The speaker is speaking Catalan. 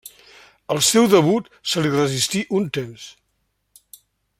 El seu debut se li resistí un temps.